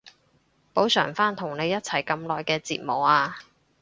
補償返同你一齊咁耐嘅折磨啊